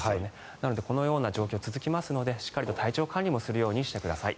なのでこのような状況が続きますのでしっかりと体調管理もするようにしてください。